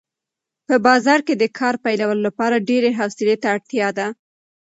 په بازار کې د کار پیلولو لپاره ډېرې حوصلې ته اړتیا ده.